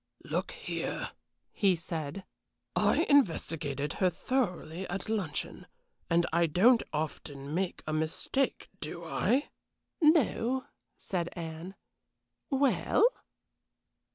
"Look here," he said. "I investigated her thoroughly at luncheon, and I don't often make a mistake, do I?" "No," said Anne. "Well